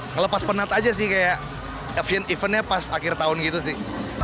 ngelepas penat aja sih kayak eventnya pas akhir tahun gitu sih